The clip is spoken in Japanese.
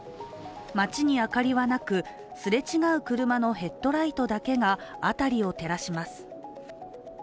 街に明かりはなく、すれ違う車のヘッドライトだけが辺りを照らします。